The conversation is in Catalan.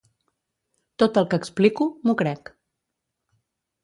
Tot el que explico, m’ho crec.